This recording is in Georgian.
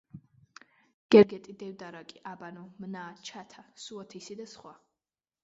გერგეტი, დევდარაკი, აბანო, მნა, ჩათა, სუათისი და სხვა.